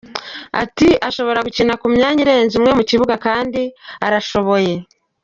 Ati: “Ashobora gukina ku myanya irenze umwe mu kibuga kandi arashoboye”.